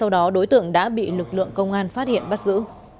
đối tượng đã bị lực lượng công an phát hiện bắt giữ